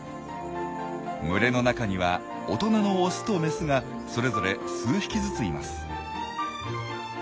群れの中には大人のオスとメスがそれぞれ数匹ずついます。